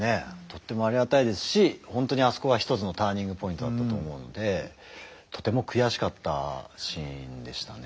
とってもありがたいですし本当にあそこは一つのターニングポイントだったと思うのでとても悔しかったシーンでしたね。